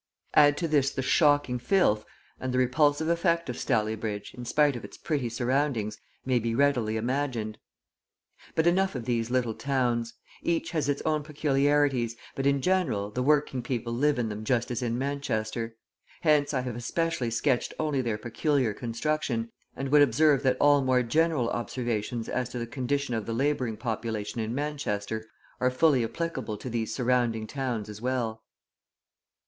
Add to this the shocking filth, and the repulsive effect of Stalybridge, in spite of its pretty surroundings, may be readily imagined. But enough of these little towns. Each has its own peculiarities, but in general, the working people live in them just as in Manchester. Hence I have especially sketched only their peculiar construction, and would observe, that all more general observations as to the condition of the labouring population in Manchester are fully applicable to these surrounding towns as well.